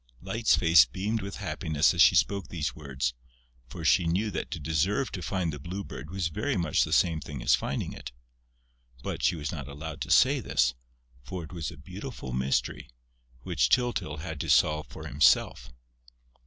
Light's face beamed with happiness as she spoke these words, for she knew that to deserve to find the Blue Bird was very much the same thing as finding it; but she was not allowed to say this, for it was a beautiful mystery, which Tyltyl had to solve for himself.